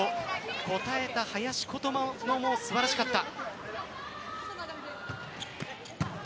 応えた林琴奈も素晴らしかった。